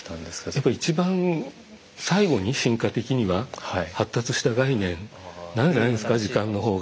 やっぱいちばん最後に進化的には発達した概念なんじゃないですか時間の方が。